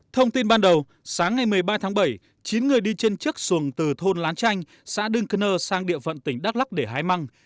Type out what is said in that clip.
thông tin ban đầu sáng ngày một mươi ba tháng bảy chín người đi trên chiếc xuồng từ thôn lán chanh xã đưng cơ nơ sang địa phận tỉnh đắk lắc để hái măng